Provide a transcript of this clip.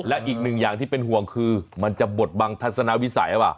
และอีกหนึ่งอย่างที่เป็นห่วงคือมันจะบดบังทัศนวิสัยหรือเปล่า